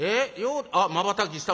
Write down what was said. あっまばたきした。